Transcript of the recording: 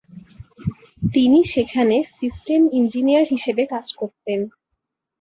তিনি সেখানে system engineer হিসেবে কাজ করতেন।